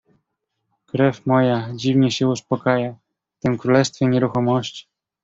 "Krew moja dziwnie się uspokaja w tem królestwie nieruchomości."